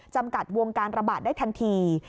จำกัดวงการระบาดได้ทันที